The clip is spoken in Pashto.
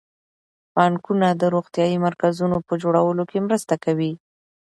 بانکونه د روغتیايي مرکزونو په جوړولو کې مرسته کوي.